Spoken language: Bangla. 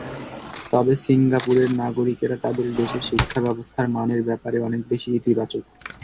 তবে সিঙ্গাপুরের নাগরিকেরা তাঁদের দেশের শিক্ষাব্যবস্থার মানের ব্যাপারে অনেক বেশি ইতিবাচক।